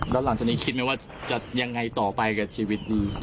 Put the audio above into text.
แล้วหลังจากนี้คิดไหมว่าจะยังไงต่อไปกับชีวิตนี้